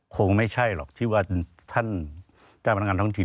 คงไม่ใช่หรอกที่ว่าท่านเจ้าพนักงานท้องถิ่น